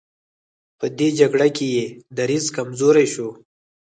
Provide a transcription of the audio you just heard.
په دې جګړه کې یې دریځ کمزوری شو.